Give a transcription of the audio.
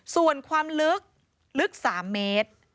ส่วนความลึกลึก๓เมตร